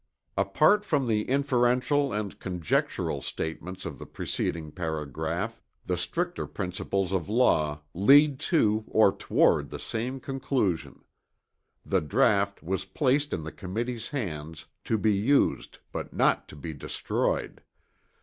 Apart from the inferential and conjectural statements of the preceding paragraph, the stricter principles of law lead to or toward the same conclusion. The draught was placed in the committee's hands to be used but not to be destroyed.